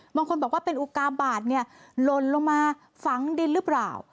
บางคนบอกว่าเป็นอุกาบาทหล่นลงมาฝังดินหรือเปล่า